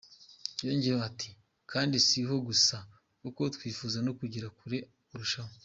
Yongeyeho ati “Kandi si aho gusa kuko twifuza no kugera kure kurushaho.